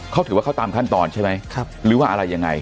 เขาถือว่าเขาตามขั้นตอนใช่ไหมหรือว่าอะไรยังไง